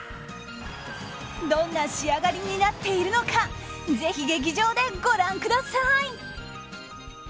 どんな仕上がりになっているのかぜひ劇場でご覧ください！